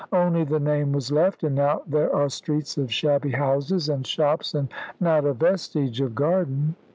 Only the name was left; and now there are streets of shabby houses, and shops, and not a vestige of garden."